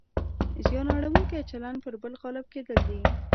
زیان اړونکی چلند پر بل غالب کېدل دي.